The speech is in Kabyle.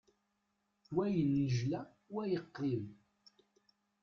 Wa yennejla, wa yeqqim.